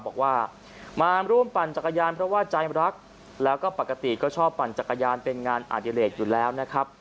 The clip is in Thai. บอกว่ามาร่วมปั่นจักรยานเพราะว่าใจรักแล้วก็ปกติก็ชอบปั่นจักรยานเป็นงานอดิเลกอยู่แล้วนะครับ